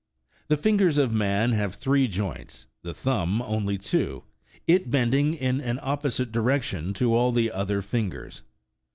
The fingers of man have three joints, the thumb only two, it bending in an opposite direction to all the other fingers.